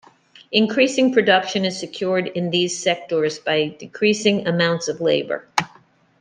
Increasing production is secured in these sectors by decreasing amounts of labour.